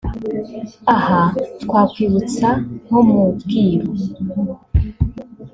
Aha twakwibutsa nko mu bwiru